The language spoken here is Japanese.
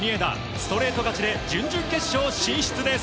ストレート勝ちで準々決勝進出です。